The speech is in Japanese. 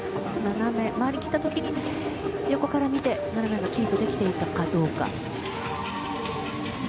回り切った時に、横から見て斜めがキープできているかどうか。